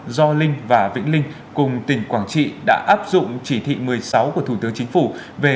do linh và vĩnh linh cùng tỉnh quảng trị đã áp dụng chỉ thị một mươi sáu của thủ tướng chính phủ về